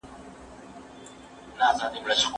د ماشوم د پوستکي وچوالی وڅارئ.